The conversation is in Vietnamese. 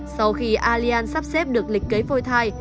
sau khi allian sắp xếp được lịch cấy phôi thai